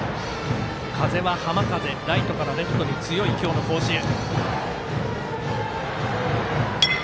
風は浜風ライトからレフトに強い今日の甲子園。